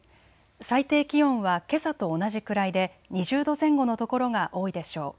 最低気温はけさと同じくらいで２０度前後の所が多いでしょう。